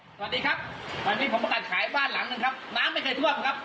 สวัสดีครับวันนี้ผมประกาศขายบ้านหลังหนึ่งครับน้ำไม่เคยท่วมครับ